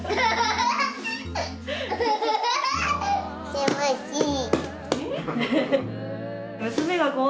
気持ちいい。